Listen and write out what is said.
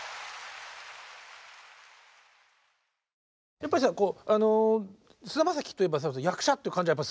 やっぱりさこうあの菅田将暉といえば役者って感じやっぱするわけですよね。